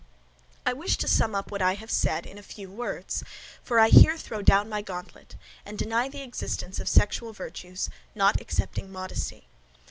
I wish to sum up what I have said in a few words, for I here throw down my gauntlet, and deny the existence of sexual virtues, not excepting modesty.